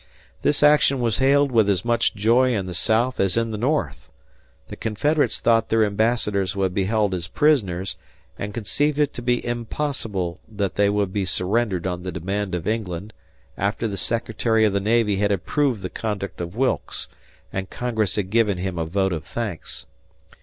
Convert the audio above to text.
This action was hailed with as much joy in the South as in the North. The Confederates thought their ambassadors would be held as prisoners and conceived it to be impossible that they would be surrendered on the demand of England after the Secretary of the Navy had approved the conduct of Wilkes, and Congress had given him a vote of thanks.